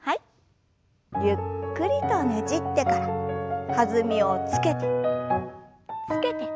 ゆっくりとねじってから弾みをつけてつけて。